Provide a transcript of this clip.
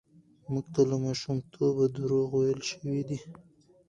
موږ ته له ماشومتوبه دروغ ويل شوي دي.